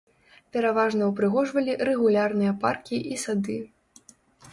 Пераважна ўпрыгожвалі рэгулярныя паркі і сады.